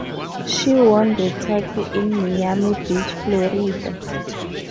She won the title in Miami Beach, Florida.